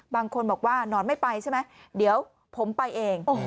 บางคนบอกว่านอนไม่ไปใช่ไหมเดี๋ยวผมไปเอง